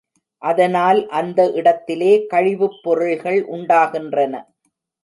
அதனால் அந்த இடத்திலே கழிவுப் பொருட்கள் உண்டாகின்றன.